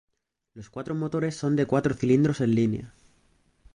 Los cuatro motores son de cuatro cilindros en línea.